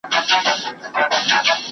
پوهانو ملي عاید په دقیقه توګه محاسبه کړ.